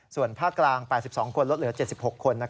ส่วนภาคกลาง๘๒คนลดเหลือ๗๖คน